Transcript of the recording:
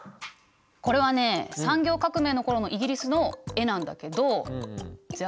これはね産業革命の頃のイギリスの絵なんだけどじゃあ